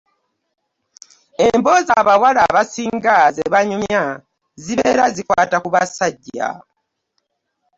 Emboozi abawala abasinga ze banyumya zibeera kikwata ku basajja.